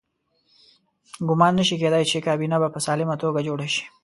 ګمان نه شي کېدای چې کابینه به په سالمه توګه جوړه شي.